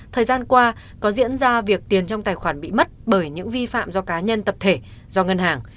thời gian qua có diễn ra việc tiền trong tài khoản bị mất bởi những vi phạm do cá nhân tập thể do ngân hàng